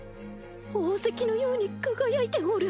宝石のように輝いておる！